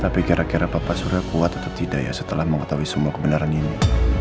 tapi kira kira papa surya kuat atau tidak setelah mengetahui semua kebenaran ini